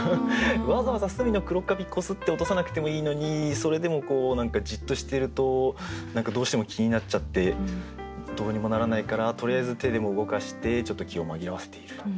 わざわざ隅の黒かび擦って落とさなくてもいいのにそれでも何かじっとしてると何かどうしても気になっちゃってどうにもならないからとりあえず手でも動かしてちょっと気を紛らわせている。